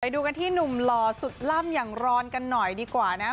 ดูกันที่หนุ่มหล่อสุดล่ำอย่างร้อนกันหน่อยดีกว่านะครับ